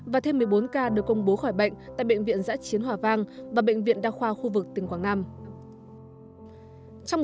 và thêm một mươi bốn ca được công bố khỏi bệnh tại bệnh viện giã chiến hòa vang và bệnh viện đa khoa khu vực tỉnh quảng nam